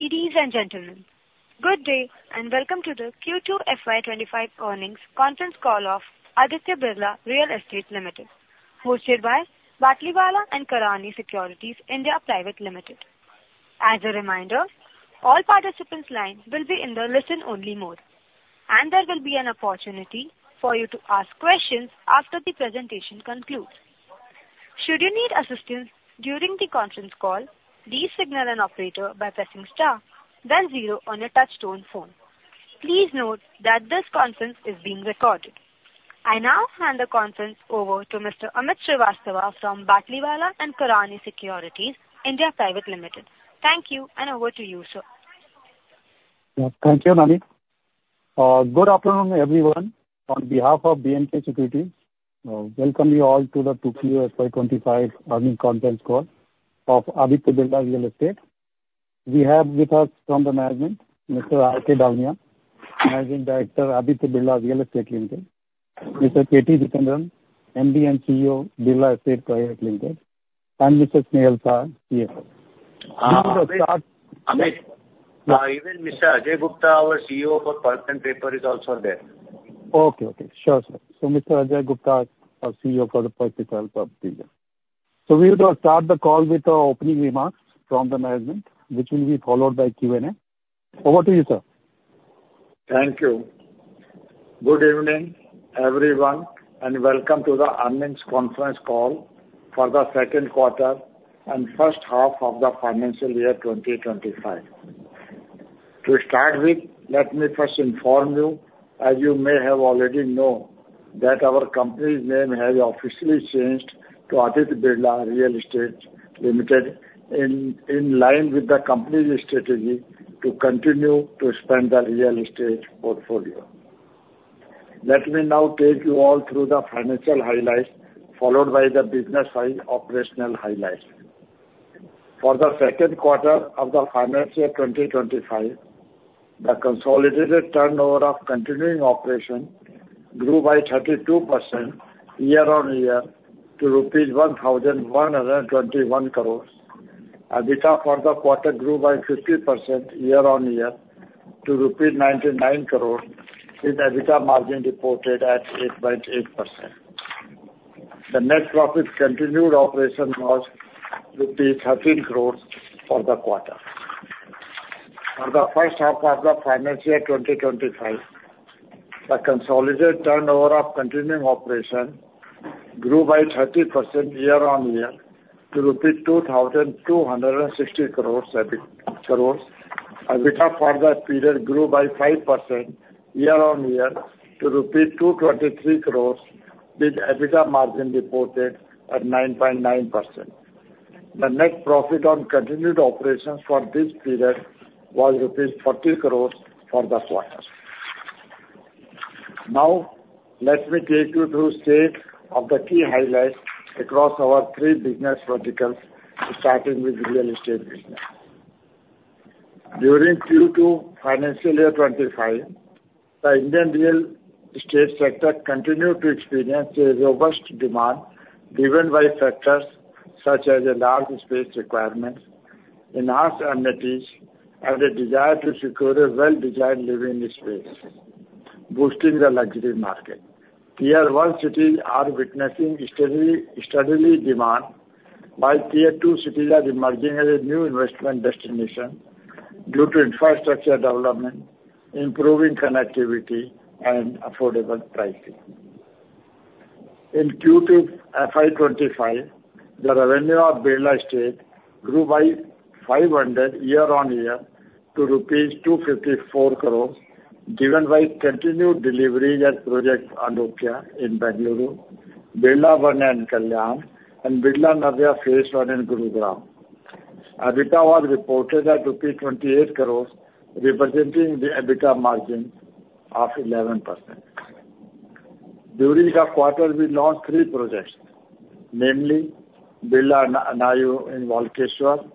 Ladies and gentlemen, good day, and welcome to the Q2 FY 2025 earnings conference call of Aditya Birla Real Estate Limited, hosted by Batlivala & Karani Securities India Private Limited. As a reminder, all participants' lines will be in the listen-only mode, and there will be an opportunity for you to ask questions after the presentation concludes. Should you need assistance during the conference call, please signal an operator by pressing star, then zero on your touchtone phone. Please note that this conference is being recorded. I now hand the conference over to Mr. Amit Srivastava from Batlivala & Karani Securities India Private Limited. Thank you, and over to you, sir. Yeah. Thank you, Nami. Good afternoon, everyone. On behalf of B&K Securities, welcome you all to the 2Q FY 2025 earnings conference call of Aditya Birla Real Estate. We have with us from the management, Mr. R.K. Dalmia, Managing Director, Aditya Birla Real Estate Limited, Mr. K.T. Jithendran, MD and CEO, Birla Estates Private Limited, and Mr. Snehal Shah, CFO. Amit, even Mr. Ajay Gupta, our CEO for Pulp & Paper, is also there. Okay. Okay, sure, sir. So Mr. Ajay Gupta, our CEO for the Pulp & Paper business. So we will now start the call with the opening remarks from the management, which will be followed by Q&A. Over to you, sir. Thank you. Good evening, everyone, and welcome to the earnings conference call for the second quarter and first half of the financial year 2025. To start with, let me first inform you, as you may have already known, that our company's name has officially changed to Aditya Birla Real Estate Limited, in line with the company's strategy to continue to expand the real estate portfolio. Let me now take you all through the financial highlights, followed by the business and operational highlights. For the second quarter of the financial year 2025, the consolidated turnover of continuing operation grew by 32% year-on-year to rupees 1,121 crores. EBITDA for the quarter grew by 50% year-on-year to rupees 99 crores, with EBITDA margin reported at 8.8%. The net profit continued operation was 13 crores for the quarter. For the first half of the financial year 2025, the consolidated turnover of continuing operation grew by 30% year-on-year to 2,260 crores. EBITDA for that period grew by 5% year-on-year to rupees 223 crores, with EBITDA margin reported at 9.9%. The net profit on continued operations for this period was rupees 40 crores for the quarter. Now, let me take you through state of the key highlights across our three business verticals, starting with real estate business. During Q2 financial year 2025, the Indian real estate sector continued to experience a robust demand, driven by factors such as a large space requirement, enhanced amenities, and a desire to secure a well-designed living space, boosting the luxury market. Tier 1 cities are witnessing steady demand, while Tier 2 cities are emerging as a new investment destination due to infrastructure development, improving connectivity, and affordable pricing. In Q2 FY 2025, the revenue of Birla Estates grew by 500% year-on-year to rupees 254 crores, driven by continued delivery at Project Alokya in Bengaluru, Birla Vanya in Kalyan, and Birla Navya phase I in Gurugram. EBITDA was reported at INR 28 crores, representing the EBITDA margin of 11%. During the quarter, we launched three projects, namely Birla Anayu in Walkeshwar,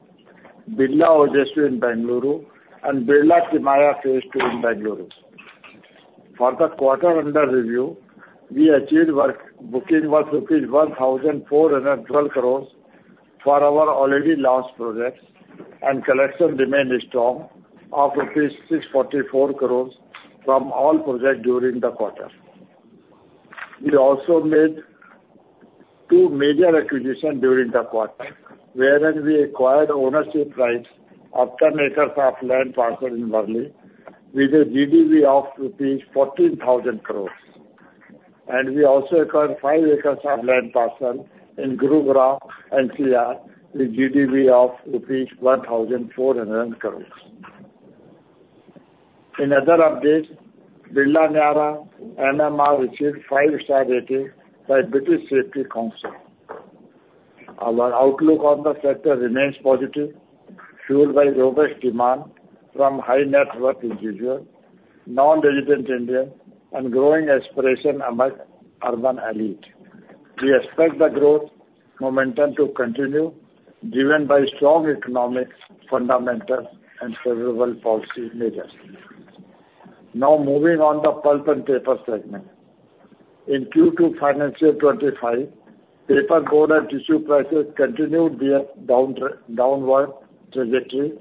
Birla Ojasvi in Bengaluru, and Birla Trimaya phase II in Bengaluru. For the quarter under review, we achieved bookings worth rupees 1,412 crores for our already launched projects, and collections remained strong at INR 644 crores from all projects during the quarter. We also made two major acquisitions during the quarter, wherein we acquired ownership rights of 10 acres of land parcel in Mumbai, with a GDV of rupees 14,000 crores, and we also acquired 5 acres of land parcel in Gurugram, NCR, with GDV of INR 1,400 crores. In other updates, Birla Niyaara achieved five-star rating by British Safety Council. Our outlook on the sector remains positive, fueled by robust demand from high-net-worth individuals, non-resident Indians, and growing aspiration among urban elite. We expect the growth momentum to continue, driven by strong economic fundamentals and favorable policy measures. Now moving on the Pulp & Paper segment. In Q2 financial 2025, paperboard and tissue prices continued their downward trajectory,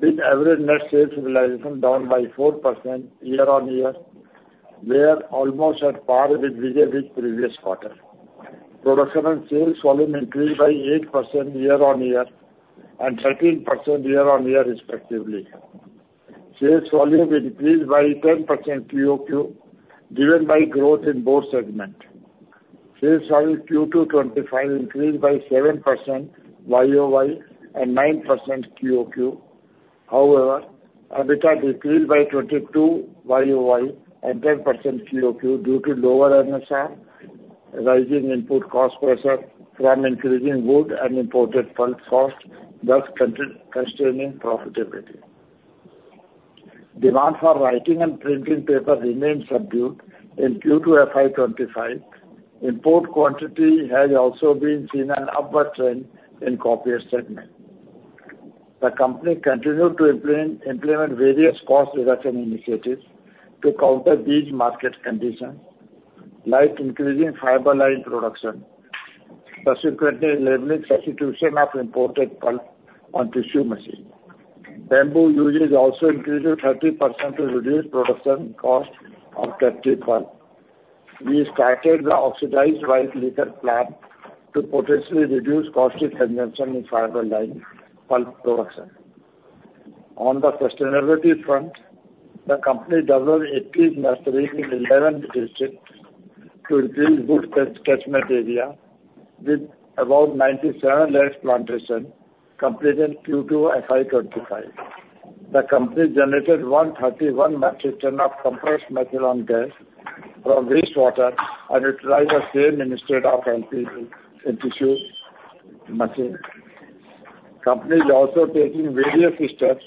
with average net sales realization down by 4% year-on-year. They are almost at par with the previous quarter. Production and sales volume increased by 8% year-on-year and 13% year-on-year, respectively. Sales volume increased by 10% QoQ, driven by growth in board segment. Sales volume Q2 2025 increased by 7% YoY and 9% QoQ. However, EBITDA decreased by 22% YoY and 10% QoQ due to lower NSR, rising input cost pressure from increasing wood and imported pulp cost, thus constraining profitability. Demand for writing and printing paper remained subdued in Q2 FY 2025. Import quantity has also been seen an upward trend in copier segment. The company continued to implement various cost reduction initiatives to counter these market conditions, like increasing fiber line production, subsequently enabling substitution of imported pulp on tissue machine. Bamboo usage also increased 30% to reduce production cost of treated pulp. We started the oxidized white liquor plant to potentially reduce costly consumption in fiber line pulp production. On the sustainability front, the company developed 18 nurseries in 11 districts to increase wood catchment area, with about 97 lakhs plantation completed in Q2 FY 2025. The company generated 131 metric ton of compressed methane gas from wastewater and utilized the same instead of LPG in tissue machine. Company is also taking various steps,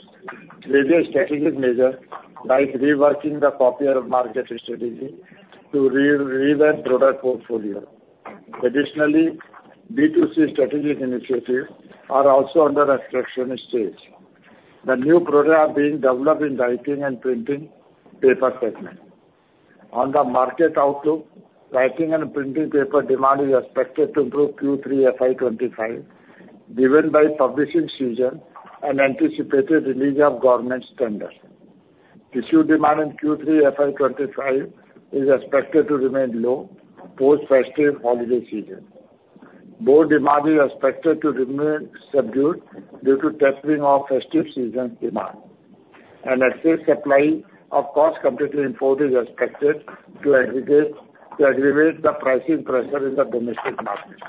various strategic measure, like reworking the copier market strategy to revamp product portfolio. Additionally, B2C strategic initiatives are also under instruction stage. The new product are being developed in writing and printing paper segment. On the market outlook, writing and printing paper demand is expected to improve Q3 FY 2025, driven by publishing season and anticipated release of government tender. Tissue demand in Q3 FY 2025 is expected to remain low, post festive holiday season. Broad demand is expected to remain subdued due to tapering of festive season demand. An excess supply of cost-competitive import is expected to aggravate the pricing pressure in the domestic markets.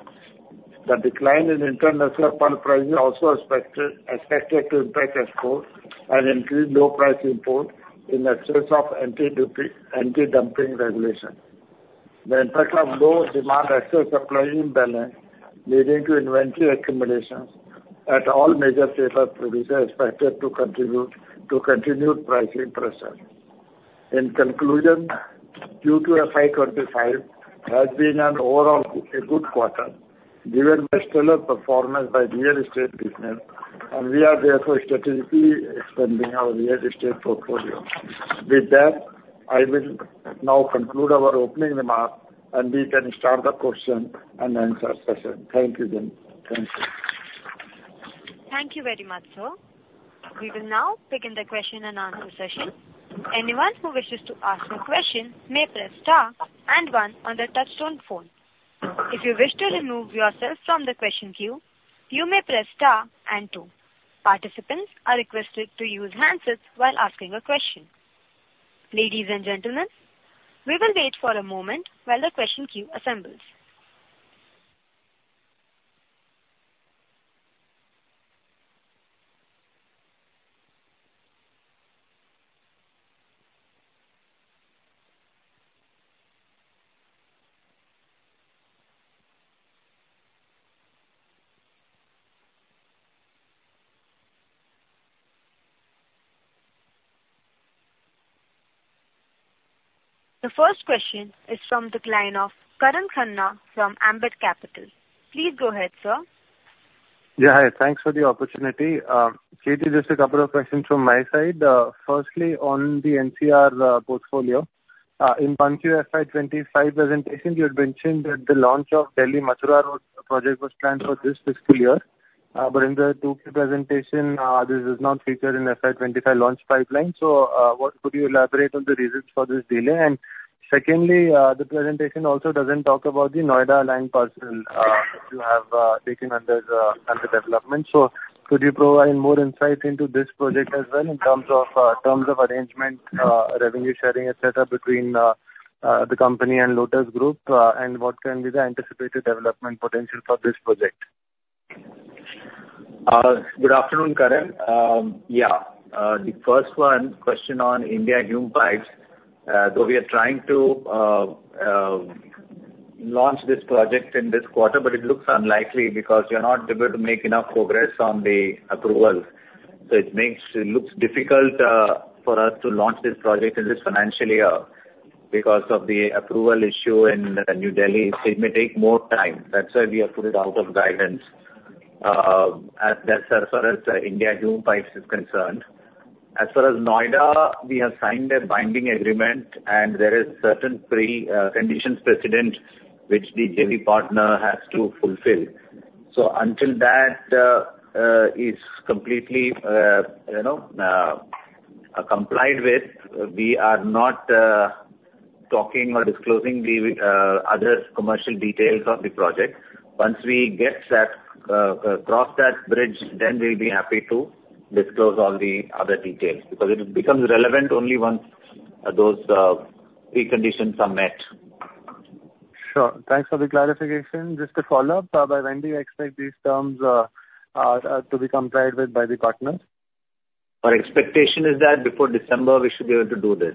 The decline in international pulp pricing is also expected to impact exports and increase low price import in excess of anti-duty, anti-dumping regulation. The impact of low demand excess supply imbalance, leading to inventory accumulations at all major paper producers, is expected to contribute to continued pricing pressure. In conclusion, Q2 FY 2025 has been an overall good quarter, driven by stellar performance by real estate business, and we are therefore strategically expanding our real estate portfolio. With that, I will now conclude our opening remarks, and we can start the question-and-answer session. Thank you, then. Thank you. Thank you very much, sir. We will now begin the question-and-answer session. Anyone who wishes to ask a question may press star and one on their touchtone phone. If you wish to remove yourself from the question queue, you may press star and two. Participants are requested to use handsets while asking a question. Ladies and gentlemen, we will wait for a moment while the question queue assembles. The first question is from the client of Karan Khanna from Ambit Capital. Please go ahead, sir. Yeah, hi. Thanks for the opportunity. Just a couple of questions from my side. Firstly, on the NCR portfolio, in 1Q FY 2025 presentation, you had mentioned that the launch of Delhi Mathura Road project was planned for this fiscal year. But in the 2Q presentation, this does not feature in FY 2025 launch pipeline. So, what could you elaborate on the reasons for this delay? And secondly, the presentation also doesn't talk about the Noida land parcel you have taken under development. So could you provide more insight into this project as well, in terms of arrangement, revenue sharing, et cetera, between the company and Lotus Group? And what can be the anticipated development potential for this project? Good afternoon, Karan. The first one, question on Indian Hume Pipe. Though we are trying to launch this project in this quarter, but it looks unlikely because we are not able to make enough progress on the approval. So it looks difficult for us to launch this project in this financial year because of the approval issue in New Delhi. It may take more time. That's why we have put it out of guidance. As far as Indian Hume Pipe is concerned, as far as Noida, we have signed a binding agreement, and there is certain conditions precedent, which the JV partner has to fulfill. So until that is completely, you know, complied with, we are not talking or disclosing the other commercial details of the project. Once we get that, cross that bridge, then we'll be happy to disclose all the other details, because it becomes relevant only once those preconditions are met. Sure. Thanks for the clarification. Just to follow up, by when do you expect these terms to be complied with by the partners? Our expectation is that before December, we should be able to do this.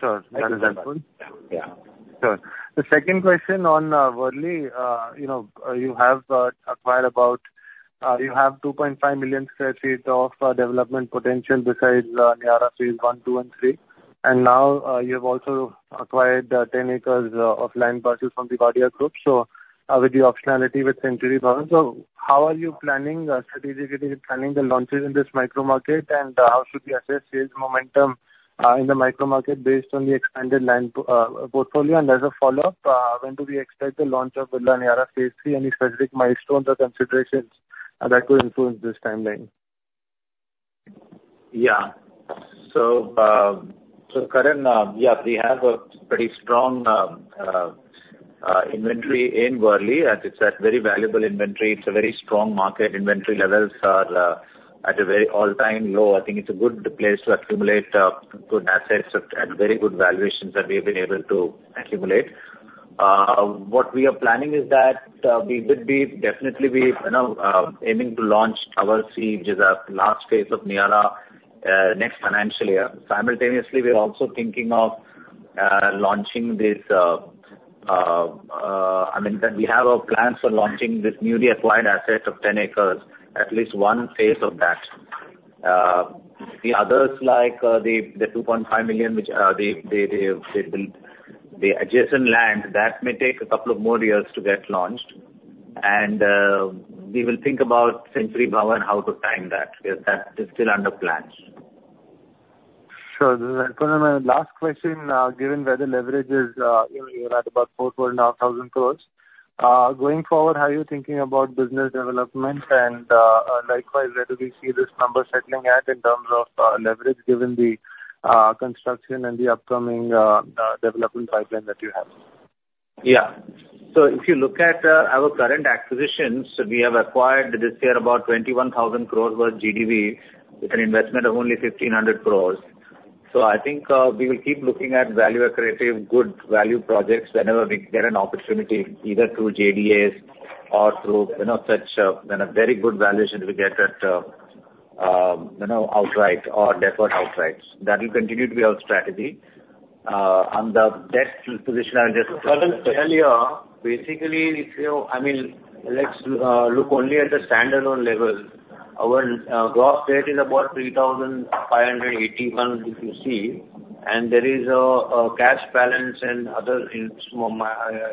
Sure. That is helpful. Yeah. Sure. The second question on Worli, you know, you have acquired about, you have 2.5 million sq ft of development potential besides Niyaara phase I, II, and III, and now you have also acquired 10 acres of land parcel from the Wadia Group, so with the optionality with Century Bhavan. So how are you planning strategically planning the launches in this micro market? And how should we assess sales momentum in the micro market based on the expanded land portfolio? And as a follow-up, when do we expect the launch of Birla Niyaara phase III? Any specific milestones or considerations that could influence this timeline? Yeah. So, Karan, yeah, we have a pretty strong inventory in Worli, and it's a very valuable inventory. It's a very strong market. Inventory levels are at a very all-time low. I think it's a good place to accumulate good assets at very good valuations that we've been able to accumulate. What we are planning is that we would definitely be, you know, aiming to launch Tower C, which is our last phase of Niyaara, next financial year. Simultaneously, we are also thinking of launching this, I mean, that we have our plans for launching this newly acquired asset of 10 acres, at least one phase of that. The others, like, the 2.5 million, which, the adjacent land, that may take a couple of more years to get launched, and we will think about Century Bhavan, how to time that, because that is still under plans. Sure. And my last question, given where the leverage is, you're at about 4,000, 4,500 crores, going forward, how are you thinking about business development? And, likewise, where do we see this number settling at in terms of leverage, given the construction and the upcoming development pipeline that you have? Yeah. So if you look at our current acquisitions, we have acquired this year about 21,000 crores worth GDV, with an investment of only 1,500 crores. So I think we will keep looking at value accretive, good value projects whenever we get an opportunity, either through JDAs or through, you know, such, you know, very good valuation we get at outright or deferred outright. That will continue to be our strategy. On the debt position, Karan, Snehal here. Basically, I mean, let's look only at the standalone level. Our gross debt is about 3,581 crores, if you see, and there is a cash balance and other in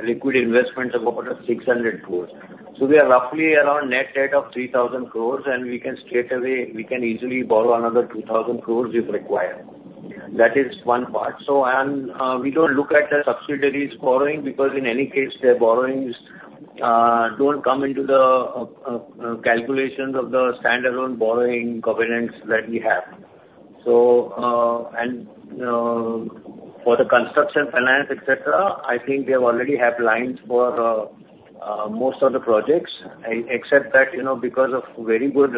liquid investments of about 600 crores. We are roughly around net debt of 3,000 crores, and we can straightaway, we can easily borrow another 2,000 crores if required. That is one part. We don't look at the subsidiaries borrowing, because in any case, their borrowings don't come into the calculations of the standalone borrowing covenants that we have. For the construction finance, et cetera, I think we already have lines for most of the projects, except that, you know, because of very good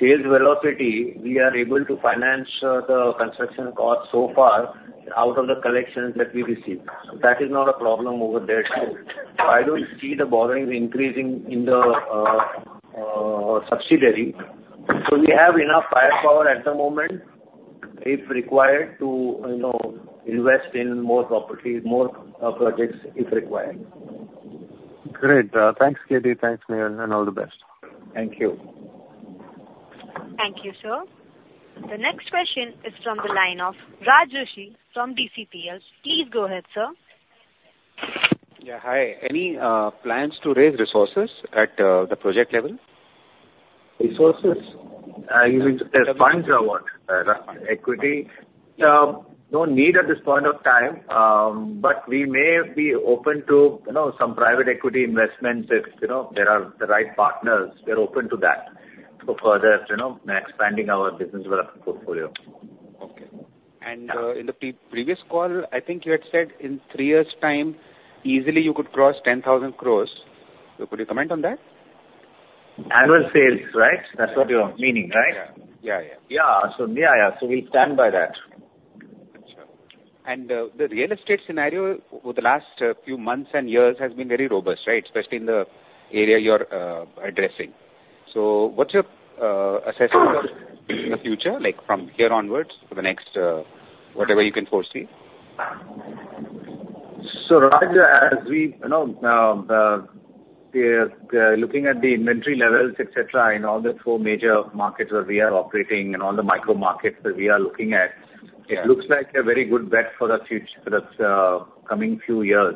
sales velocity, we are able to finance the construction cost so far out of the collections that we receive. That is not a problem over there too. I don't see the borrowings increasing in the subsidiary. So we have enough firepower at the moment, if required, to, you know, invest in more properties, more projects if required. Great. Thanks, K.T. Thanks, Snehal, and all the best. Thank you. Thank you, sir. The next question is from the line of Raj Rishi from DCPL. Please go ahead, sir. Yeah, hi. Any plans to raise resources at the project level? Resources? You mean the funds or what? Equity. No need at this point of time, but we may be open to, you know, some private equity investments if, you know, there are the right partners. We are open to that to further, you know, expanding our business development portfolio. Okay. And, in the previous call, I think you had said in three years' time, easily you could cross 10,000 crores. So could you comment on that? Annual sales, right? That's what you are meaning, right? Yeah. Yeah, yeah. Yeah. So, we'll stand by that. Got you. And, the real estate scenario over the last, few months and years has been very robust, right? Especially in the area you're, addressing. So what's your, assessment of the future, like, from here onwards for the next, whatever you can foresee? So, Raj, as we, you know, looking at the inventory levels, et cetera, in all the four major markets where we are operating and all the micro markets that we are looking at. It looks like a very good bet for the future, for the coming few years.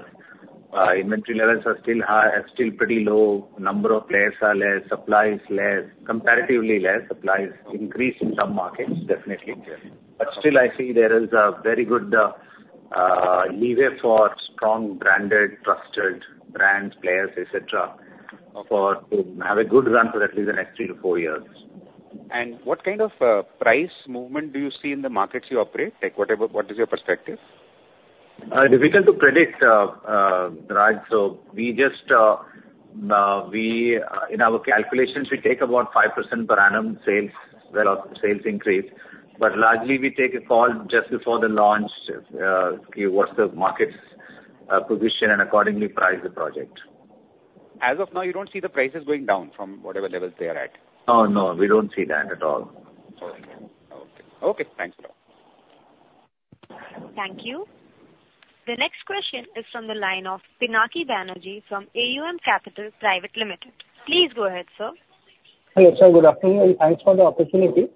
Inventory levels are still high, are still pretty low. Number of players are less, supply is less, comparatively less. Supply is increased in some markets, definitely. But still, I see there is a very good lever for strong branded, trusted brands, players, et cetera, for to have a good run for at least the next three to four years. What kind of price movement do you see in the markets you operate? Like, what about... What is your perspective? Difficult to predict, Raj. So we just, we, in our calculations, we take about 5% per annum sales, well, sales increase, but largely we take a call just before the launch, see what's the market's position and accordingly price the project. As of now, you don't see the prices going down from whatever levels they are at? Oh, no, we don't see that at all. Okay. Okay. Thanks. Thank you. The next question is from the line of Pinaki Banerjee from AUM Capital Private Limited. Please go ahead, sir. Hello, sir, good afternoon, and thanks for the opportunity.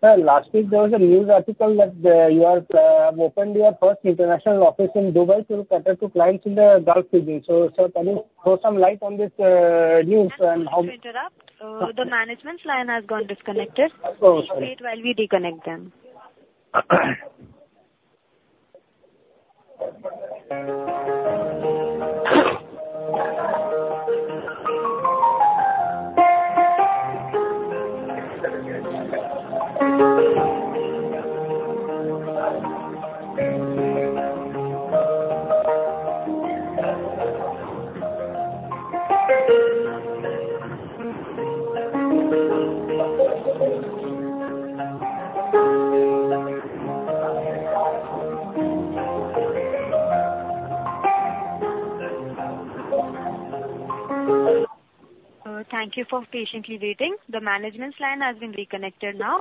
Sir, last week there was a news article that you have opened your first international office in Dubai to cater to clients in the Gulf region. So, sir, can you throw some light on this news and how- Sorry to interrupt. The management's line has gone disconnected. Oh, sorry. Please wait while we reconnect them. Thank you for patiently waiting. The management's line has been reconnected now.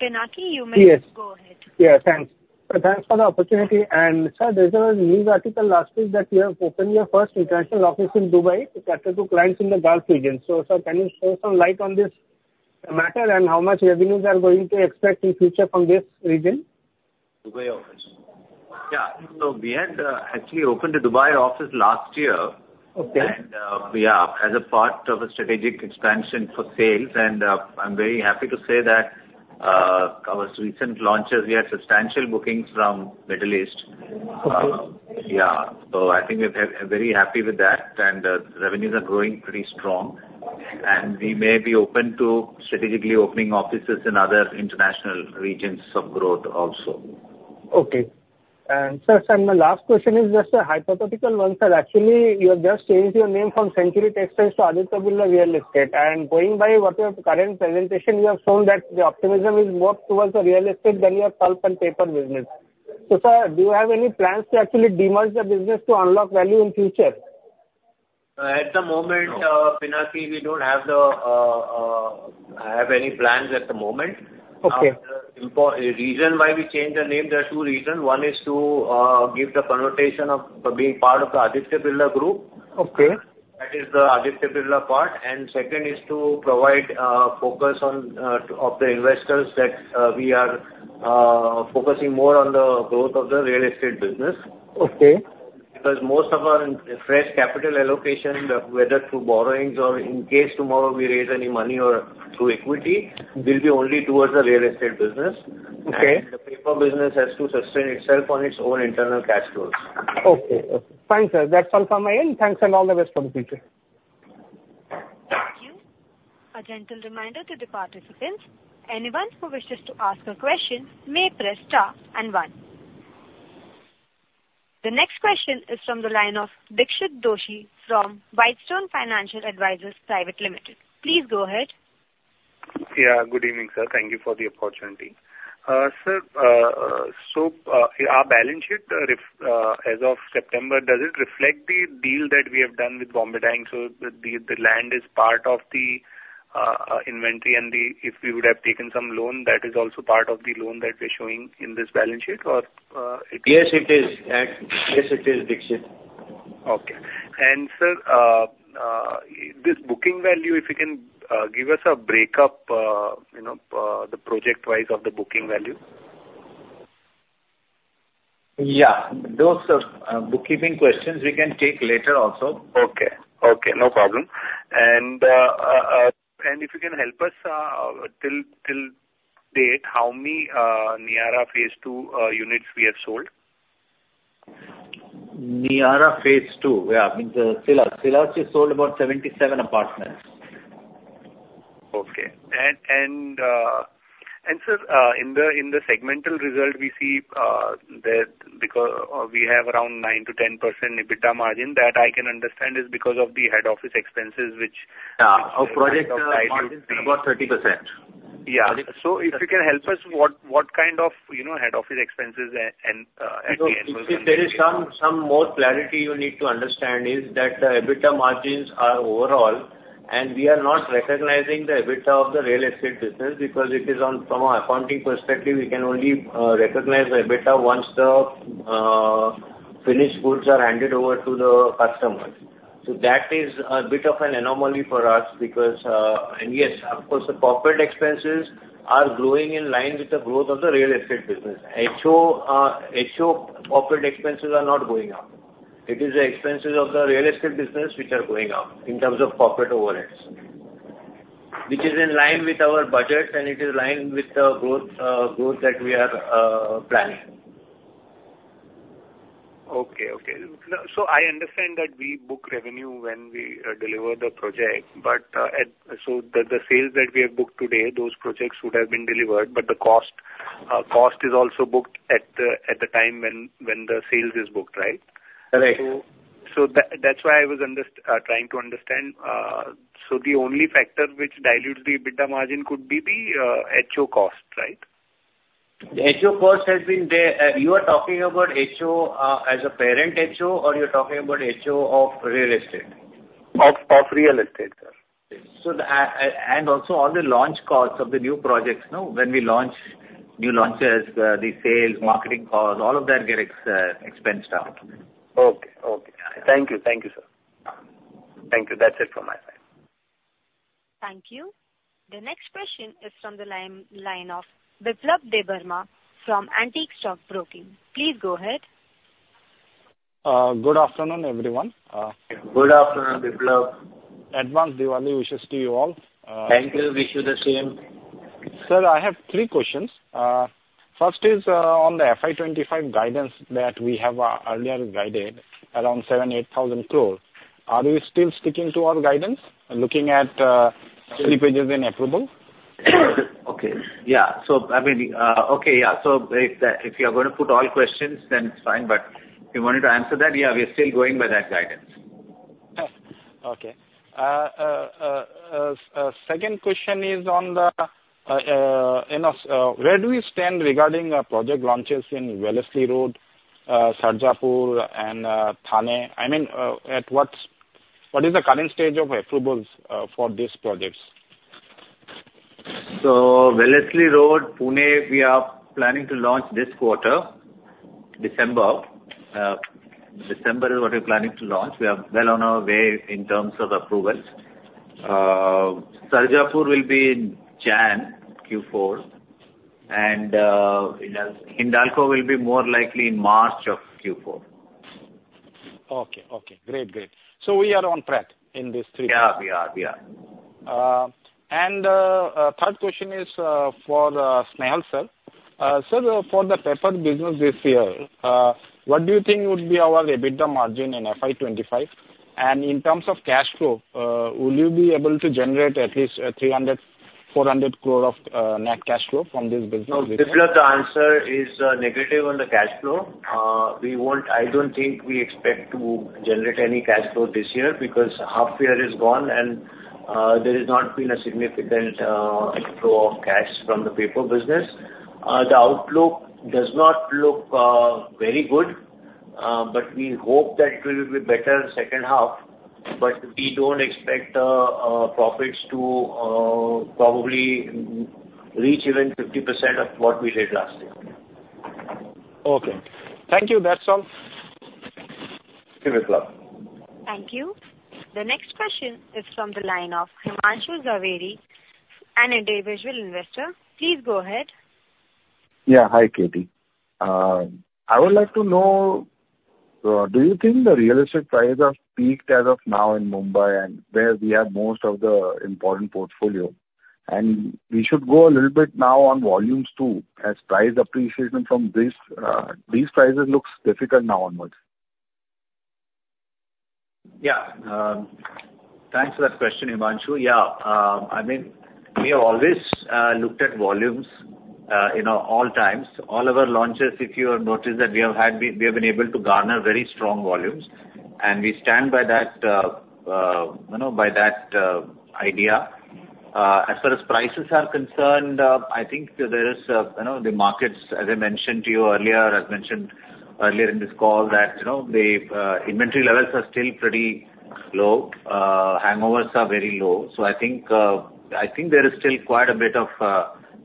Pinaki, you may- Yes. Go ahead. Yes, thanks, so thanks for the opportunity, and sir, there was a news article last week that you have opened your first international office in Dubai to cater to clients in the Gulf region, so sir, can you throw some light on this matter, and how much revenues you are going to expect in future from this region? Dubai office. Yeah. So we had actually opened the Dubai office last year. Okay. As a part of a strategic expansion for sales, and I'm very happy to say that our recent launches, we had substantial bookings from Middle East. Okay. Yeah, so I think we're very happy with that, and revenues are growing pretty strong, and we may be open to strategically opening offices in other international regions of growth also. Okay. And sir, sir, my last question is just a hypothetical one, sir. Actually, you have just changed your name from Century Textiles to Aditya Birla Real Estate, and going by what your current presentation, you have shown that the optimism is more towards the real estate than your pulp and paper business. So sir, do you have any plans to actually demerge the business to unlock value in future? At the moment, Pinaki, we don't have any plans at the moment. Okay. Reason why we changed the name, there are two reasons. One is to give the connotation of being part of the Aditya Birla Group. Okay. That is the Aditya Birla part. And second is to provide focus on of the investors that we are focusing more on the growth of the real estate business. Okay. Because most of our fresh capital allocation, whether through borrowings or in case tomorrow we raise any money or through equity, will be only towards the real estate business. Okay. The paper business has to sustain itself on its own internal cash flows. Okay. Okay. Thanks, sir. That's all from my end. Thanks, and all the best for the future. Thank you. A gentle reminder to the participants, anyone who wishes to ask a question may press star and one. The next question is from the line of Dixit Doshi from Whitestone Financial Advisors Private Limited. Please go ahead. Yeah, good evening, sir. Thank you for the opportunity. Sir, so, our balance sheet as of September, does it reflect the deal that we have done with Bombay Dyeing? So the land is part of the inventory and if we would have taken some loan, that is also part of the loan that we're showing in this balance sheet, or it- Yes, it is. Yes, it is, Dixit. Okay. And sir, this booking value, if you can give us a break-up, you know, the project-wise of the booking value. Yeah. Those bookkeeping questions we can take later also. Okay. Okay, no problem. And if you can help us till date, how many Niyaara phase II units we have sold? Niyaara phase II, yeah, means Silas. Silas, we've sold about 77 apartments. Okay. And sir, in the segmental result, we see that because we have around 9%-10% EBITDA margin. That I can understand is because of the head office expenses, which- Yeah. Our project margin is about 30%. Yeah. So if you can help us, what kind of, you know, head office expenses and, at the end There is some more clarity you need to understand is that the EBITDA margins are overall, and we are not recognizing the EBITDA of the real estate business because it is on, from an accounting perspective, we can only recognize the EBITDA once the finished goods are handed over to the customers. So that is a bit of an anomaly for us because, and yes, of course, the corporate expenses are growing in line with the growth of the real estate business. HO corporate expenses are not going up. It is the expenses of the real estate business which are going up in terms of corporate overheads, which is in line with our budget, and it is in line with the growth that we are planning. Okay, okay. Now, so I understand that we book revenue when we deliver the project, but at, so the sales that we have booked today, those projects would have been delivered, but the cost is also booked at the time when the sales is booked, right? Right. That's why I was trying to understand. So the only factor which dilutes the EBITDA margin could be the HO cost, right? The HO cost has been there. You are talking about HO, as a parent HO, or you're talking about HO of real estate? Of real estate, sir. And also all the launch costs of the new projects, no? When we launch new launches, the sales, marketing costs, all of that get expensed out. Okay. Okay. Thank you. Thank you, sir. Thank you. That's it from my side. Thank you. The next question is from the line of Biplab Debbarma from Antique Stock Broking. Please go ahead. Good afternoon, everyone. Good afternoon, Biplab. Advance Diwali wishes to you all. Thank you. Wish you the same. Sir, I have three questions. First is, on the FY 2025 guidance that we have, earlier guided around 7,000-8,000 crores. Are we still sticking to our guidance, looking at slippages in approval? Okay. Yeah, so I mean, okay, yeah, so if you're going to put all questions, then it's fine, but if you want me to answer that, yeah, we are still going by that guidance. Okay. Second question is on the, you know, where do we stand regarding project launches in Wellesley Road, Sarjapur, and Thane? I mean, at what's-- what is the current stage of approvals for these projects? Wellesley Road, Pune, we are planning to launch this quarter, December. December is what we're planning to launch. We are well on our way in terms of approvals. Sarjapur will be in January, Q4, and, Hindalco will be more likely in March of Q4. Okay. Okay, great, great. So we are on track in these three? Yeah, we are. And third question is for Snehal, sir. Sir, for the paper business this year, what do you think would be our EBITDA margin in FY 2025? And in terms of cash flow, will you be able to generate at least 300-400 crore of net cash flow from this business? No, Biplab, the answer is negative on the cash flow. I don't think we expect to generate any cash flow this year, because half year is gone, and there has not been a significant flow of cash from the paper business. The outlook does not look very good, but we hope that it will be better in the second half. But we don't expect profits to probably reach even 50% of what we did last year. Okay. Thank you. That's all. Thank you, Biplab. Thank you. The next question is from the line of Himanshu Zaveri, an individual investor. Please go ahead. Yeah. Hi, K. T. I would like to know, do you think the real estate prices have peaked as of now in Mumbai, and where we have most of the important portfolio? And we should go a little bit now on volumes, too, as price appreciation from this, these prices looks difficult now onwards. Yeah. Thanks for that question, Himanshu. Yeah, I mean, we have always looked at volumes in all times. All our launches, if you have noticed that, we have had, we have been able to garner very strong volumes, and we stand by that, you know, by that idea. As far as prices are concerned, I think there is, you know, the markets, as I mentioned to you earlier, I've mentioned earlier in this call, that, you know, the inventory levels are still pretty low. Overhangs are very low. So I think, I think there is still quite a bit of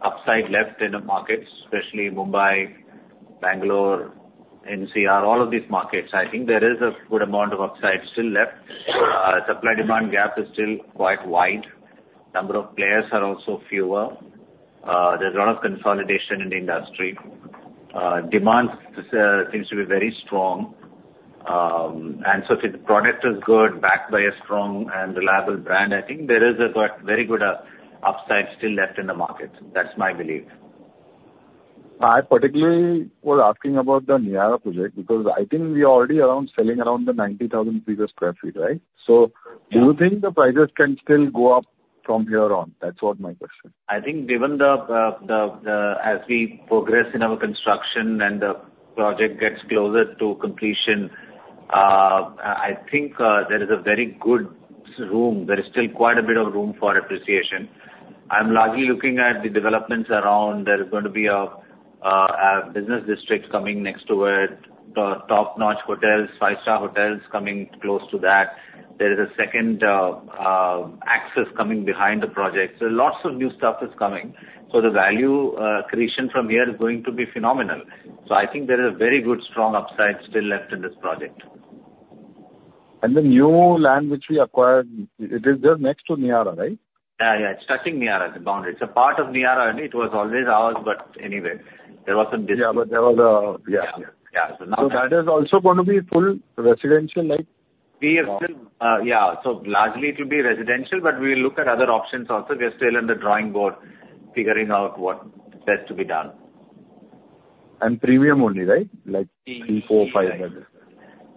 upside left in the markets, especially Mumbai, Bangalore, NCR, all of these markets. I think there is a good amount of upside still left. Supply-demand gap is still quite wide. Number of players are also fewer. There's a lot of consolidation in the industry. Demand seems to be very strong, and so if the product is good, backed by a strong and reliable brand, I think there is a quite, very good upside still left in the market. That's my belief. I particularly was asking about the Niyaara project, because I think we are already around, selling around 90,000 per sq ft, right? So do you think the prices can still go up from here on? That's what my question is. I think given the, as we progress in our construction and the project gets closer to completion, I think there is a very good room. There is still quite a bit of room for appreciation. I'm largely looking at the developments around. There is going to be a business district coming next to it, top-notch hotels, five-star hotels coming close to that. There is a second access coming behind the project. So lots of new stuff is coming. So the value creation from here is going to be phenomenal. So I think there is a very good strong upside still left in this project. And the new land which we acquired, it is just next to Niyaara, right? Yeah, yeah, it's touching Niyaara, the boundary. It's a part of Niyaara, and it was always ours, but anyway, there was some distance. Yeah, but there was a. Yeah. Yeah. Yeah, so now- So that is also going to be full residential, like- We are still. Yeah, so largely it will be residential, but we will look at other options also. We are still on the drawing board, figuring out what best to be done. And premium only, right? Like 300, 400, 500.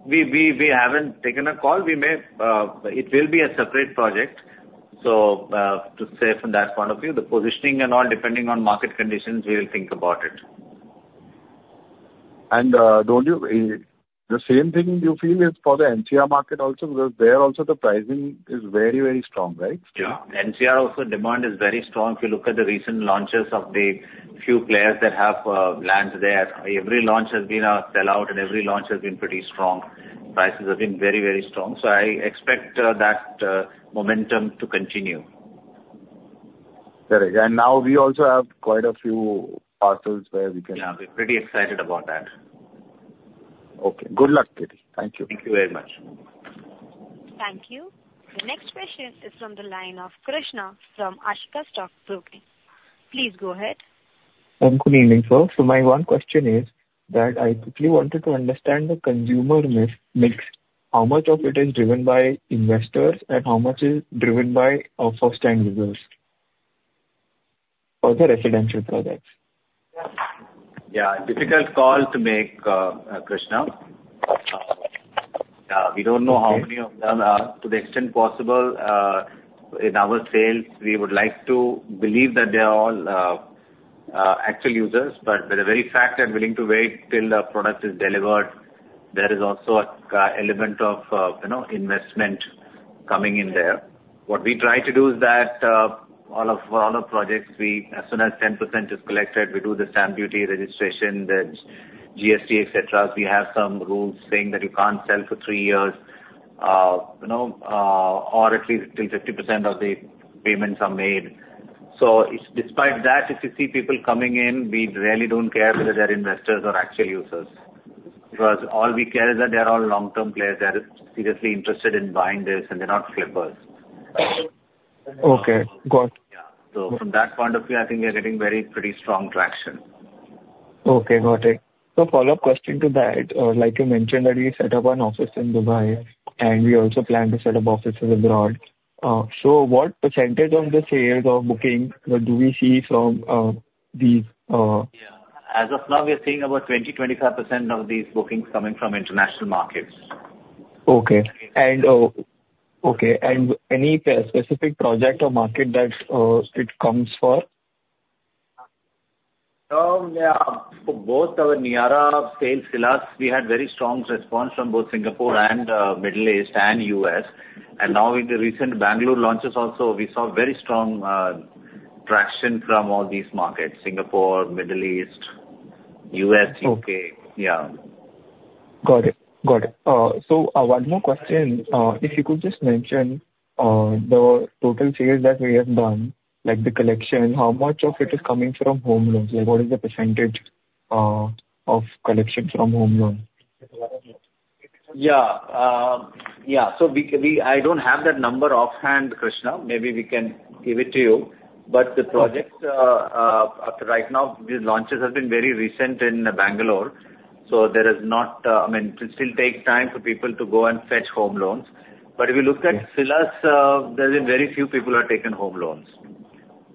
We haven't taken a call. We may, it will be a separate project. So, to say from that point of view, the positioning and all, depending on market conditions, we will think about it. Don't you the same thing you feel is for the NCR market also, because there also the pricing is very, very strong, right? Yeah. NCR also, demand is very strong. If you look at the recent launches of the few players that have lands there, every launch has been a sellout, and every launch has been pretty strong. Prices have been very, very strong. So I expect that momentum to continue. Correct. And now we also have quite a few parcels where we can- Yeah, we're pretty excited about that. Okay. Good luck, K. T. Thank you. Thank you very much. Thank you. The next question is from the line of Krishna from Ashika Stock Broking. Please go ahead. Good evening, sir. So my one question is that I quickly wanted to understand the consumer mix. How much of it is driven by investors, and how much is driven by first-time users for the residential projects? Yeah, difficult call to make, Krishna. We don't know how many of them. Okay. To the extent possible, in our sales, we would like to believe that they are all actual users, but with the very fact they're willing to wait till the product is delivered, there is also a element of you know, investment coming in there. What we try to do is that, all of our projects, as soon as 10% is collected, we do the stamp duty, registration, the GST, et cetera. We have some rules saying that you can't sell for three years, you know, or at least till 50% of the payments are made. So despite that, if you see people coming in, we really don't care whether they're investors or actual users, because all we care is that they're all long-term players that are seriously interested in buying this, and they're not flippers. Okay, got it. Yeah. So from that point of view, I think we are getting very, pretty strong traction. Okay, got it. So follow-up question to that, like you mentioned, that we set up an office in Dubai, and we also plan to set up offices abroad. So what percentage of the sales or bookings do we see from, these, Yeah. As of now, we are seeing about 20%, 25% of these bookings coming from international markets. Okay, and any specific project or market that it comes for? Yeah. For both our Niyaara phase, Silas, we had very strong response from both Singapore and Middle East and U.S. And now in the recent Bengaluru launches also, we saw very strong traction from all these markets: Singapore, Middle East, U.S., U.K. Okay. Yeah. Got it. Got it. So, one more question. If you could just mention the total sales that we have done, like the collection, how much of it is coming from home loans? Like, what is the percentage of collection from home loan? Yeah. Yeah, so we, I don't have that number offhand, Krishna. Maybe we can give it to you. But the projects, right now, the launches have been very recent in Bangalore, so there is not... I mean, it will still take time for people to go and fetch home loans. But if you look at Silas, there's been very few people who have taken home loans.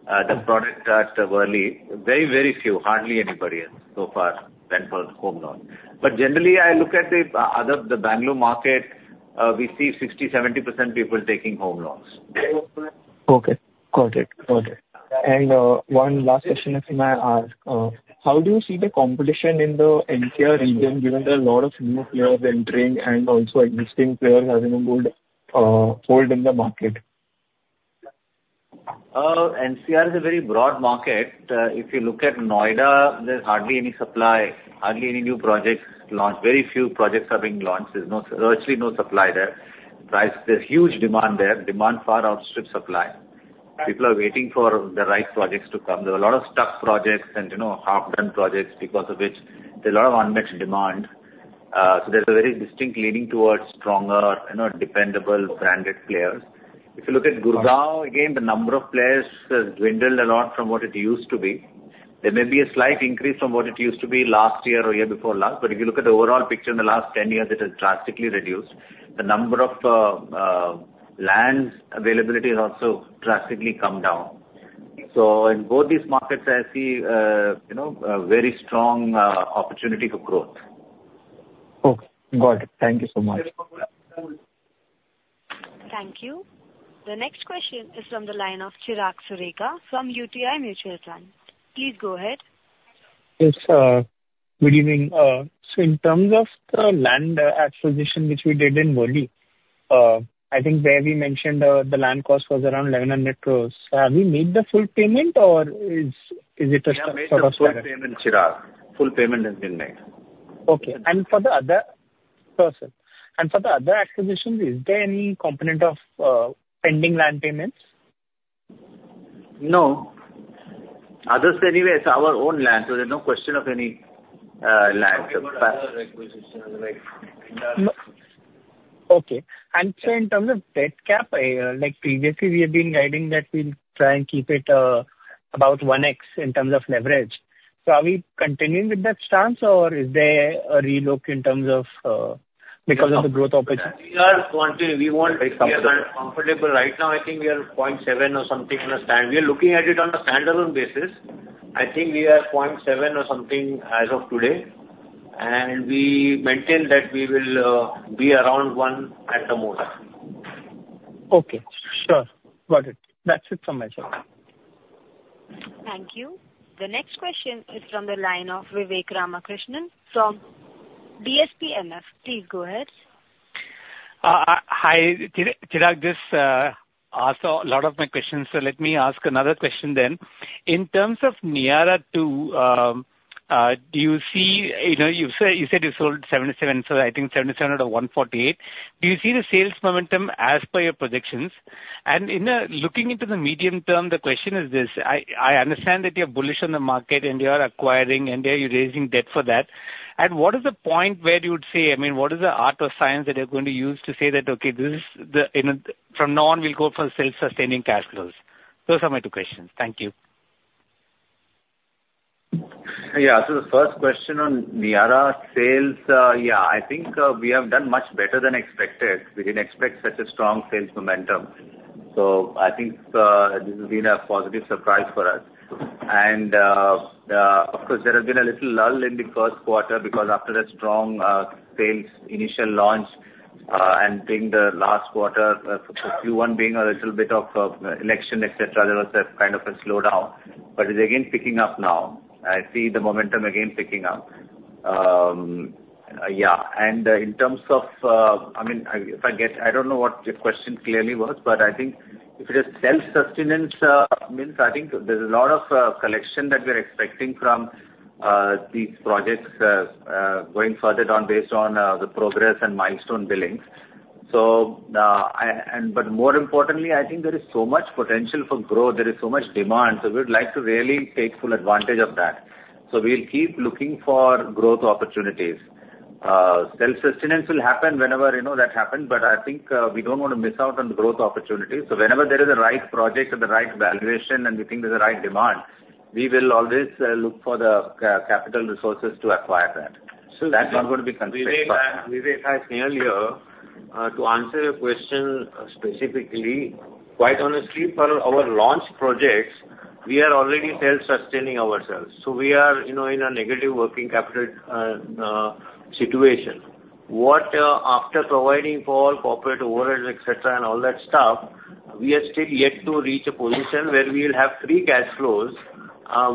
The product at Worli, very, very few. Hardly anybody so far went for the home loan. But generally, I look at the, other, the Bengaluru market, we see 60%, 70% people taking home loans. Okay. Got it. Got it. And, one last question, if I may ask: How do you see the competition in the NCR region, given there are a lot of new players entering and also existing players having a good hold in the market? NCR is a very broad market. If you look at Noida, there's hardly any supply, hardly any new projects launched. Very few projects are being launched. There's virtually no supply there. Prices, there's huge demand there. Demand far outstrip supply. People are waiting for the right projects to come. There are a lot of stuck projects and, you know, half-done projects, because of which there's a lot of unmet demand. So there's a very distinct leaning towards stronger, you know, dependable, branded players. If you look at Gurugram, again, the number of players has dwindled a lot from what it used to be. There may be a slight increase from what it used to be last year or year before last, but if you look at the overall picture in the last 10 years, it has drastically reduced. The number of lands availability has also drastically come down. So in both these markets, I see, you know, a very strong opportunity for growth. Okay, got it. Thank you so much. Thank you. The next question is from the line of Chirag Sureka from UTI Mutual Fund. Please go ahead. Yes, good evening. So in terms of the land acquisition, which we did in Worli, I think where we mentioned, the land cost was around 1,100 crores. Have we made the full payment or is it a sort of- Yeah, we made a full payment, Chirag. Full payment has been made.... Okay, and for the other, perfect. And for the other acquisitions, is there any component of, pending land payments? No. Others, anyway, it's our own land, so there's no question of any land Okay. And so in terms of debt cap, like previously, we have been guiding that we'll try and keep it, about one X in terms of leverage. So are we continuing with that stance, or is there a relook in terms of, because of the growth opportunity? We are comfortable. Right now, I think we are at 0.7 or something on standalone. We are looking at it on a standalone basis. I think we are at 0.7 or something as of today, and we maintain that we will be around one at the most. Okay, sure. Got it. That's it from my side. Thank you. The next question is from the line of Vivek Ramakrishnan from DSP MF. Please go ahead. Hi. Chirag just asked a lot of my questions, so let me ask another question then. In terms of Niyaara II, do you see... You know, you said you sold 77, so I think 77 out of 148. Do you see the sales momentum as per your projections? And in looking into the medium term, the question is this: I understand that you're bullish on the market, and you are acquiring, and that you're raising debt for that. At what is the point where you would say, I mean, what is the art or science that you're going to use to say that, "Okay, this is the, you know, from now on, we'll go for self-sustaining cash flows?" Those are my two questions. Thank you. Yeah. So the first question on Niyaara sales, yeah, I think, we have done much better than expected. We didn't expect such a strong sales momentum. So I think, this has been a positive surprise for us. And, of course, there has been a little lull in the first quarter, because after a strong, sales initial launch, and then the last quarter, Q1 being a little bit of, election, et cetera, there was a kind of a slowdown. But it's again picking up now. I see the momentum again picking up. Yeah, and, in terms of... I mean, if I get, I don't know what your question clearly was, but I think if it is self-sustenance means, I think there's a lot of collection that we're expecting from these projects going further down based on the progress and milestone billings. So, but more importantly, I think there is so much potential for growth. There is so much demand, so we'd like to really take full advantage of that. So we'll keep looking for growth opportunities. Self-sustenance will happen whenever, you know, that happens, but I think we don't want to miss out on the growth opportunities. So whenever there is a right project or the right valuation, and we think there's a right demand, we will always look for the capital resources to acquire that. So that's not going to be constraint. Vivek, as earlier, to answer your question specifically, quite honestly, for our launch projects, we are already self-sustaining ourselves. So we are, you know, in a negative working capital situation. What, after providing for corporate overheads, et cetera, and all that stuff, we are still yet to reach a position where we will have free cash flows,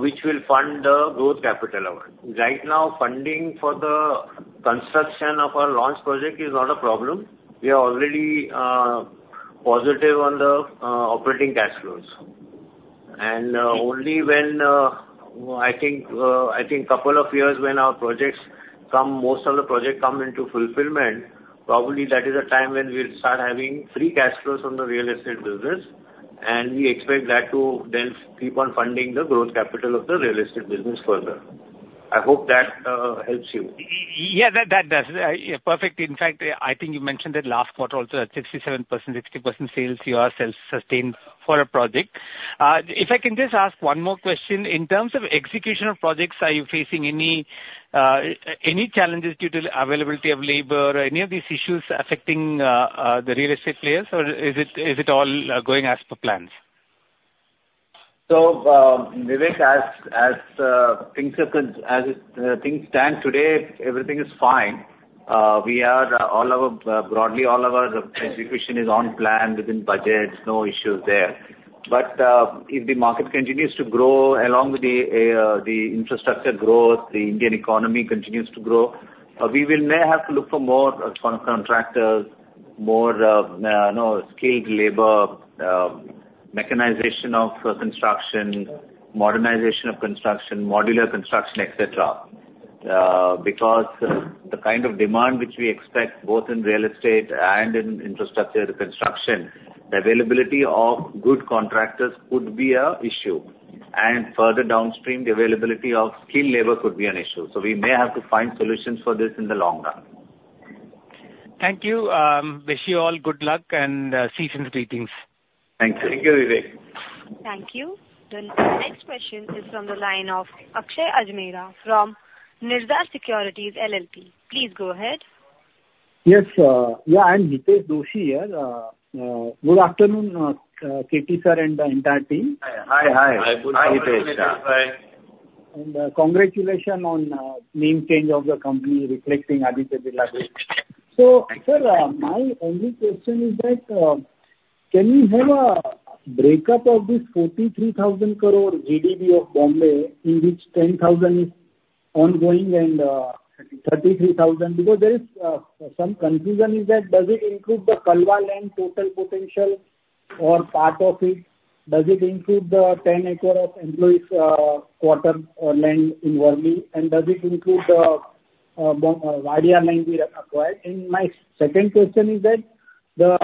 which will fund the growth capital award. Right now, funding for the construction of our launch project is not a problem. We are already positive on the operating cash flows. Only when, I think couple of years, when our projects come, most of the projects come into fulfillment, probably that is the time when we'll start having free cash flows from the real estate business, and we expect that to then keep on funding the growth capital of the real estate business further. I hope that helps you. Yeah, that does. Yeah, perfect. In fact, I think you mentioned that last quarter, also at 67%, 60% sales, you are self-sustained for a project. If I can just ask one more question: In terms of execution of projects, are you facing any challenges due to the availability of labor, any of these issues affecting the real estate players, or is it all going as per plans? So, Vivek, as things stand today, everything is fine. Broadly, all of our execution is on plan, within budgets, no issues there. But if the market continues to grow along with the infrastructure growth, the Indian economy continues to grow, we will may have to look for more subcontractors, more, you know, skilled labor, mechanization of construction, modernization of construction, modular construction, et cetera. Because the kind of demand which we expect, both in real estate and in infrastructure construction, the availability of good contractors could be an issue, and further downstream, the availability of skilled labor could be an issue. So we may have to find solutions for this in the long run. Thank you. Wish you all good luck, and season's greetings. Thank you. Thank you, Vivek. Thank you. The next question is from the line of Hitesh Doshi from Nirzar Securities LLP. Please go ahead. Yes, yeah, I'm Hitesh Doshi here. Good afternoon, K. T., sir, and the entire team. Hi. Hi. Hi, Hitesh. Hi. Congratulations on the name change of the company reflecting Aditya Birla Group. Thank you. Sir, my only question is that can you have a breakup of this 43,000 crore GDV of Bombay, in which 10,000 is ongoing and 33,000? Because there is some confusion is that does it include the Kalyan land total potential or part of it, does it include the 10 acre of employees quarter or land in Worli? And does it include the Wadia land we acquired? And my second question is that the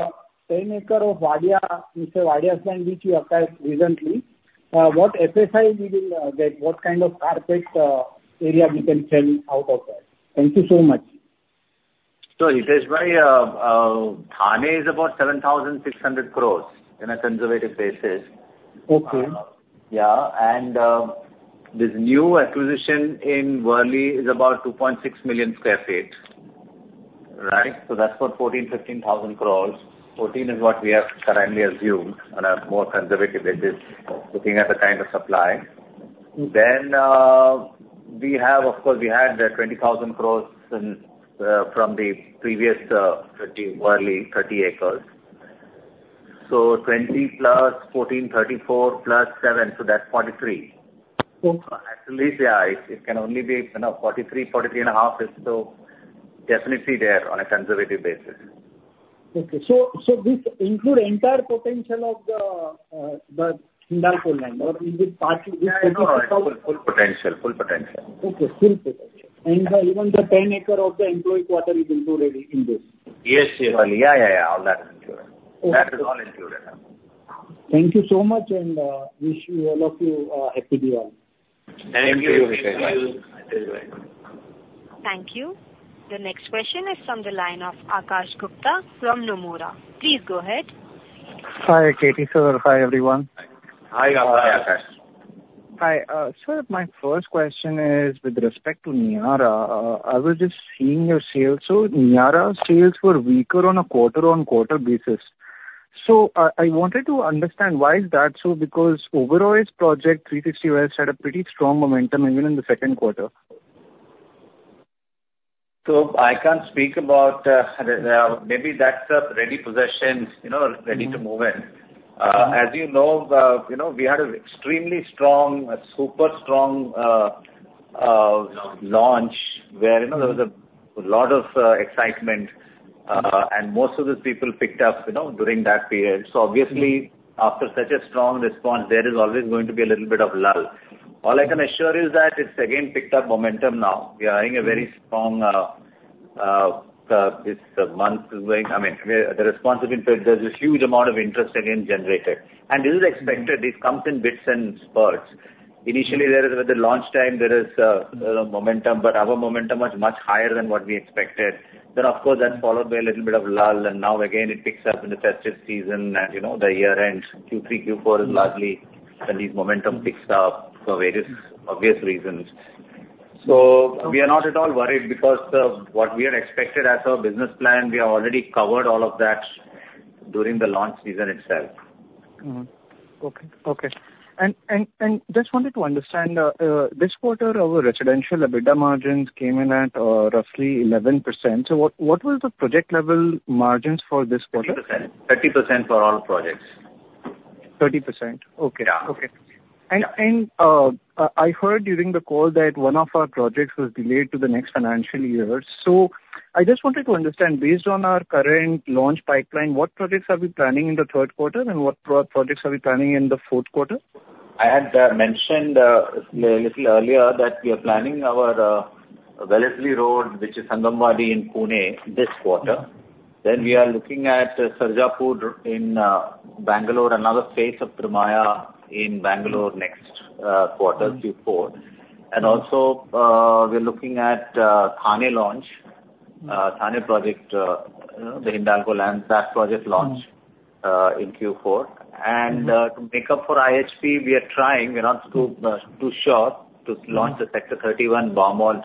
10 acre of Wadia, Mr. Wadia's land, which you acquired recently, what FSI we will get? What kind of carpet area we can sell out of that? Thank you so much. Hitesh, Thane is about 7,600 crores in a conservative basis. Okay. Yeah, and, this new acquisition in Worli is about 2.6 million sq ft, right? So that's what 14,000-15,000 crores. 14,000 is what we have currently assumed on a more conservative basis, looking at the kind of supply. Mm-hmm. Then we have, of course, we had the 20,000 crores in from the previous 30 Worli, 30 acres. So 20 crores plus 14 crores, 34 crores. Plus 7 crores, so that's 43 crores. Okay. Absolutely, yeah. It can only be, you know, 43-43.5, is so definitely there on a conservative basis. Okay. So this include entire potential of the Hindalco land or is it part of it? Yeah, no, no. It's full, full potential. Full potential. Okay, full potential. Yeah. Even the 10 acre of the employee quarter is included in this? Yes, Hitesh. Yeah, yeah, yeah. All that is included. Okay. That is all included. Thank you so much, and wish you, all of you, a happy Diwali! Thank you, Hitesh bhai. Thank you. The next question is from the line of Akash Gupta from Nomura. Please go ahead. Hi, K. T. sir. Hi, everyone. Hi. Hi, Akash. Hi, sir, my first question is with respect to Niyaara. I was just seeing your sales. So Niyaara sales were weaker on a quarter on quarter basis. So I wanted to understand why is that so? Because Oberoi's project, Three Sixty West, had a pretty strong momentum even in the second quarter. So I can't speak about, maybe that's the ready possessions, you know, ready to move in. Mm-hmm. As you know, you know, we had an extremely strong, a super strong launch, where, you know, there was a lot of excitement, and most of the people picked up, you know, during that period. So obviously, after such a strong response, there is always going to be a little bit of lull. All I can assure you is that it's again picked up momentum now. We are having a very strong this month is going. I mean, the response has been, there's a huge amount of interest again generated. And this is expected. It comes in bits and spurts. Mm-hmm. Initially, there is, with the launch time, there is, you know, momentum, but our momentum was much higher than what we expected. Then, of course, that's followed by a little bit of lull, and now again it picks up in the festive season, and, you know, the year ends. Q3, Q4 is largely when the momentum picks up for various obvious reasons. So we are not at all worried because, what we had expected as our business plan, we have already covered all of that during the launch season itself. Mm-hmm. Okay, okay. And just wanted to understand this quarter, our residential EBITDA margins came in at roughly 11%. So what were the project level margins for this quarter? 30%. 30% for all projects. 30%? Okay. Yeah. I heard during the call that one of our projects was delayed to the next financial year. So I just wanted to understand, based on our current launch pipeline, what projects are we planning in the third quarter, and what projects are we planning in the fourth quarter? I had mentioned a little earlier that we are planning our Wellesley Road, which is Sangamwadi in Pune this quarter. Mm-hmm. Then we are looking at Sarjapur in Bangalore, another phase of Trimaya in Bangalore next quarter, Q4. Mm-hmm. And also, we're looking at Thane launch. Mm-hmm. Thane project, the Hindalco land, that project launch- Mm-hmm. in Q4. Mm-hmm. To make up for IHP, we are trying. We're not too sure to launch the Sector 31 Barmalt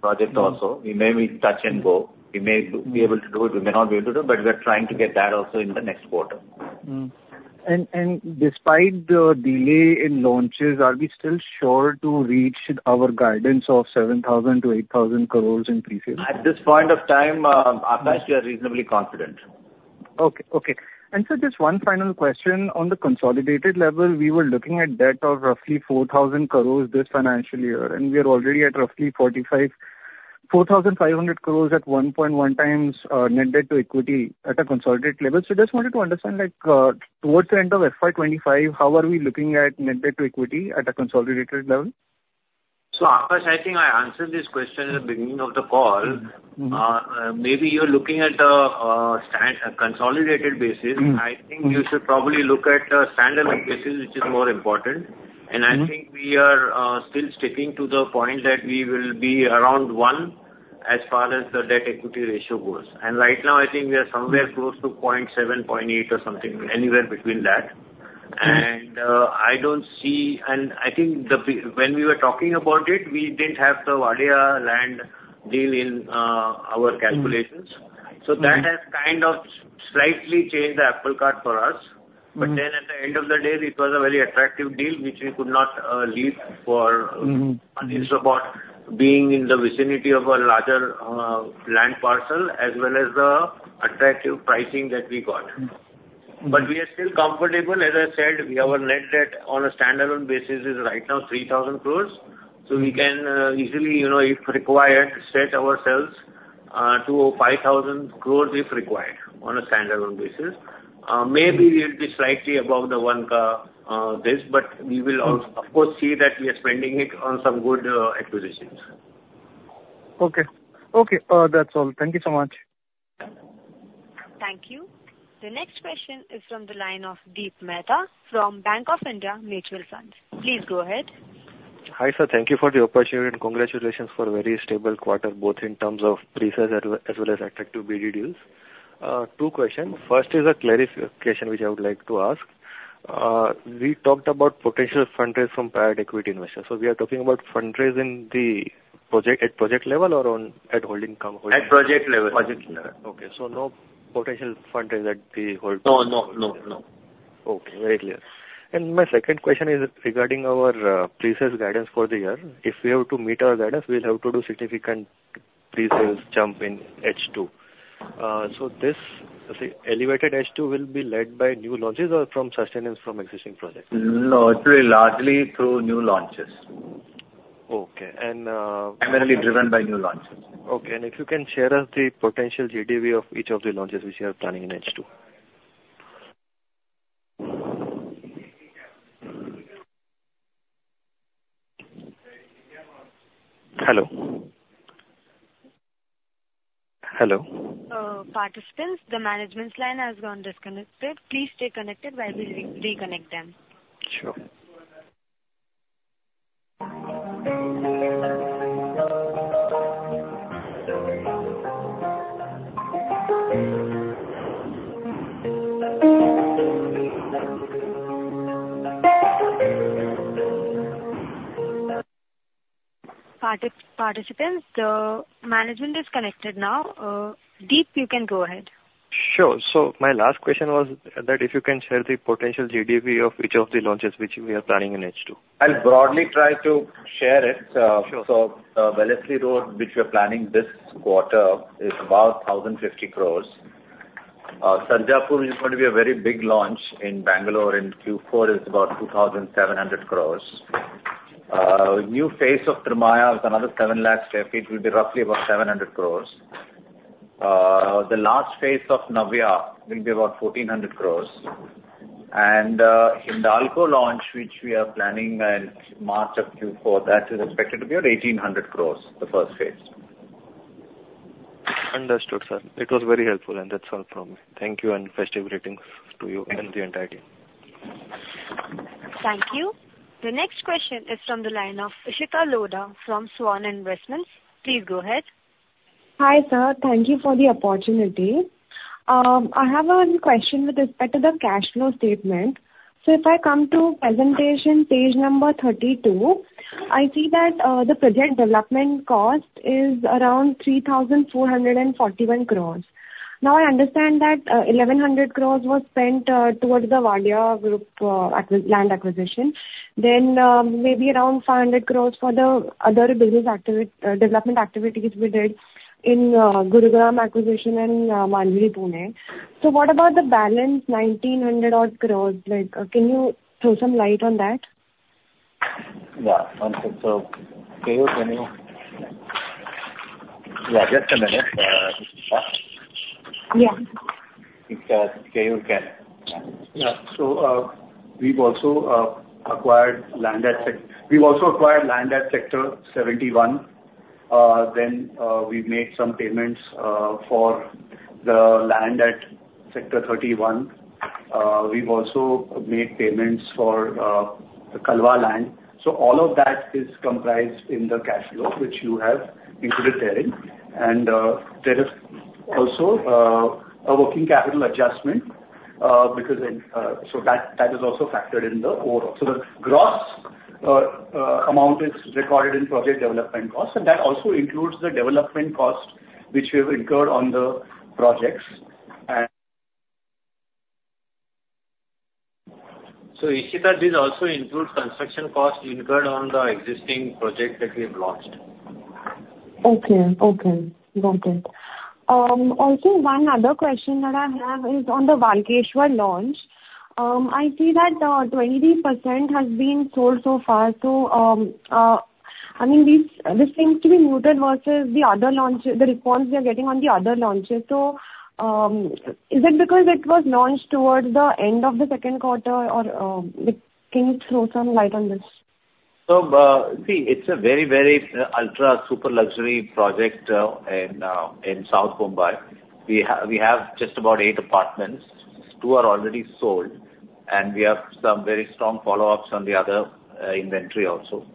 project also. Mm-hmm. We may be touch and go. We may be able to do it, we may not be able to do it, but we're trying to get that also in the next quarter. Mm-hmm. And despite the delay in launches, are we still sure to reach our guidance of 7,000-8,000 crores in pre-sales? At this point of time, Akash, we are reasonably confident. Okay, okay. Sir, just one final question. On the consolidated level, we were looking at debt of roughly 4,000 crores this financial year, and we are already at roughly 4,500 crores at 1.1x net debt to equity at a consolidated level. So just wanted to understand, like, towards the end of FY 2025, how are we looking at net debt to equity at a consolidated level? So, Akash, I think I answered this question at the beginning of the call. Mm-hmm. Mm-hmm. Maybe you're looking at the consolidated basis. Mm-hmm. I think you should probably look at a standalone basis, which is more important. I think we are still sticking to the point that we will be around 1, as far as the debt equity ratio goes. Right now, I think we are somewhere close to 0.7, 0.8 or something, anywhere between that. And, I don't see. And I think when we were talking about it, we didn't have the Wadia land deal in our calculations. So that has kind of slightly changed the apple cart for us. But then, at the end of the day, it was a very attractive deal, which we could not leave for. And it's about being in the vicinity of a larger land parcel, as well as the attractive pricing that we got. But we are still comfortable. As I said, our net debt on a standalone basis is right now 3,000 crores. So we can easily, you know, if required, stretch ourselves to 5,000 crores if required on a standalone basis. Maybe we'll be slightly above the 1, but we will, of course, see that we are spending it on some good acquisitions. Okay. Okay, that's all. Thank you so much. Thank you. The next question is from the line of Deep Mehta from Bank of India Mutual Fund. Please go ahead. Hi, sir. Thank you for the opportunity, and congratulations for a very stable quarter, both in terms of pre-sales as well, as well as attractive BD deals. Two questions. First is a clarification which I would like to ask. We talked about potential fundraise from private equity investors. So we are talking about fundraise in the project, at project level or on at holding company? At project level. Project level. Okay, so no potential fundraise at the hold- No, no, no, no. Okay, very clear. And my second question is regarding our pre-sales guidance for the year. If we have to meet our guidance, we'll have to do significant pre-sales jump in H2. So this, say, elevated H2 will be led by new launches or from sustenance from existing projects? No, it will be largely through new launches. Okay, and Primarily driven by new launches. Okay, and if you can share us the potential GDV of each of the launches which you are planning in H2? Hello? Hello? Participants, the management's line has gone disconnected. Please stay connected while we reconnect them. Sure. Participants, the management is connected now. Deep, you can go ahead. Sure. So my last question was that if you can share the potential GDV of each of the launches which we are planning in H2? I'll broadly try to share it. Sure. Wellesley Road, which we're planning this quarter, is about 1,050 crores. Sarjapur is going to be a very big launch in Bangalore, in Q4, is about 2,700 crores. New phase of Trimaya is another 700,000 sq ft, will be roughly about 700 crores. The last phase of Navya will be about 1,400 crores. In the Hindalco launch, which we are planning in March of Q4, that is expected to be at 1,800 crores, the first phase. Understood, sir. It was very helpful, and that's all from me. Thank you, and festive greetings to you. Thank you. and the entire team. Thank you. The next question is from the line of Ishita Lodha from Svan Investments. Please go ahead. Hi, sir. Thank you for the opportunity. I have one question with respect to the cash flow statement. So if I come to presentation, page number 32, I see that the project development cost is around 3,441 crores. Now, I understand that 1,100 crores was spent towards the Wadia Group land acquisition. Then, maybe around 500 crores for the other business development activities we did in Gurugram acquisition and Manjri, Pune. So what about the balance 1,900 odd crores? Like, can you throw some light on that? Yeah. So, Keyur, can you... Yeah, just a minute, Ishita. Yeah. Because Keyur can. Yeah. So, we've also acquired land at Sector 71. We've also acquired land at Sector 71. Then, we've made some payments for the land at Sector 31. We've also made payments for the Kalwa land. So all of that is comprised in the cash flow, which you have included therein. And, there is also a working capital adjustment because then, so that, that is also factored in the overall. So the gross amount is recorded in project development costs, and that also includes the development cost which we have incurred on the projects, and- So, Ishita, this also includes construction costs incurred on the existing project that we've launched. Okay. Okay, got it. Also one other question that I have is on the Walkeshwar launch. I see that 23% has been sold so far, so I mean, this seems to be muted versus the other launches, the response we are getting on the other launches. So, is it because it was launched towards the end of the second quarter? Or, can you throw some light on this? See, it's a very, very, ultra super luxury project in South Mumbai. We have just about eight apartments. Two are already sold, and we have some very strong follow-ups on the other inventory also.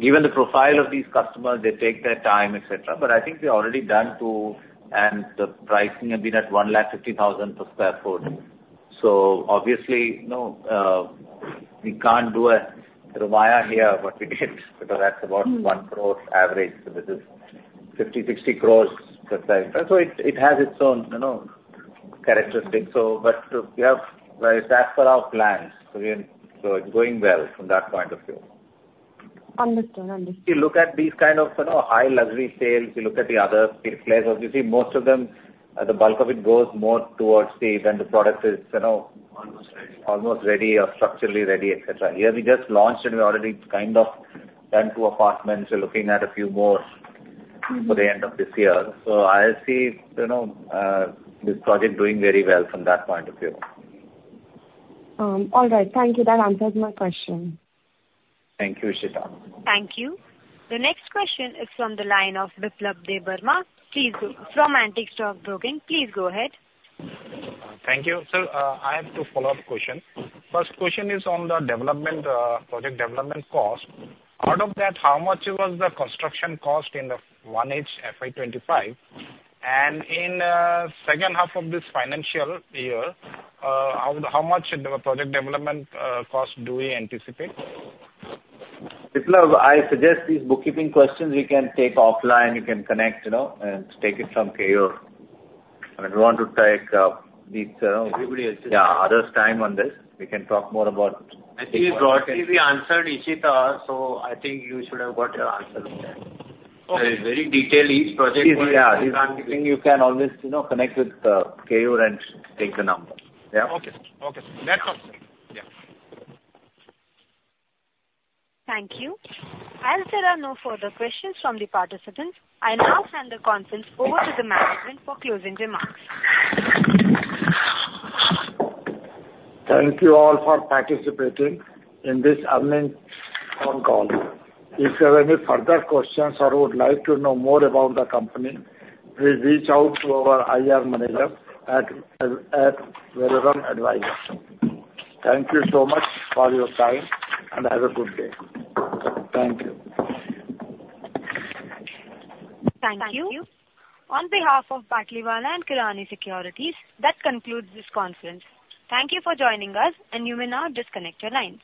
Given the profile of these customers, they take their time, et cetera, but I think we're already done to. And the pricing has been at 150,000 crores per sq ft. So obviously, you know, we can't do a Trimaya here, but we did, because that's about 1 crore average, so this is 50, 60 crores per square. And so it has its own, you know, characteristics. So, but we have, it's as per our plans, so we're, so it's going well from that point of view. Understood. Understood. If you look at these kind of, you know, high luxury sales, you look at the other places, you see most of them, the bulk of it goes more towards the, when the product is, you know- Almost ready or structurally ready, et cetera. Here we just launched, and we already kind of done two apartments. We're looking at a few more for the end of this year. So I see, you know, this project doing very well from that point of view. All right. Thank you. That answers my question. Thank you, Ishita. Thank you. The next question is from the line of Biplab Debbarma from Antique Stock Broking. Please go ahead. Thank you. So, I have two follow-up question. First question is on the development, project development cost. Out of that, how much was the construction cost in 1H FY 2025? And in second half of this financial year, how much the project development cost do we anticipate? Biplab, I suggest these bookkeeping questions you can take offline, you can connect, you know, and take it from Keyur. I don't want to take, these, Everybody has to- Yeah, other time on this. We can talk more about- I think broadly we answered Ishita, so I think you should have got your answer from there. Very detailed, each project. Yeah. You can always, you know, connect with Keyur and take the number. Yeah? Okay. Okay, that's all. Yeah. Thank you. As there are no further questions from the participants, I now hand the conference over to the management for closing remarks. Thank you all for participating in this earnings phone call. If you have any further questions or would like to know more about the company, please reach out to our IR manager at Valorem Advisors. Thank you so much for your time, and have a good day. Thank you. Thank you. On behalf of Batlivala & Karani Securities, that concludes this conference. Thank you for joining us, and you may now disconnect your lines.